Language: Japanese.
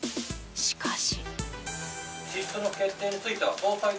しかし。